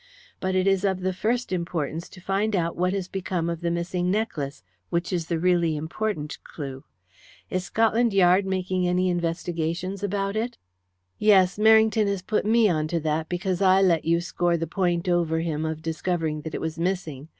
But it is of the first importance to find out what has become of the missing necklace, which is the really important clue. Is Scotland Yard making any investigations about it?" "Yes. Merrington has put me on to that because I let you score the point over him of discovering that it was missing.